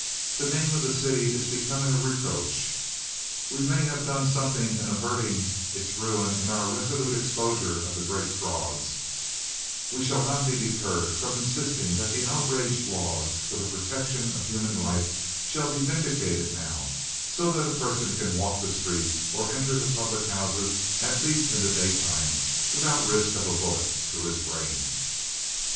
The name of the city is becoming a reproach. We may have done something in averting its ruin in our resolute exposure of the Great Frauds; we shall not be deterred from insisting that the outraged laws for the protection of human life shall be vindicated now, so that a person can walk the streets or enter the public houses, at least in the day time, without the risk of a bullet through his brain.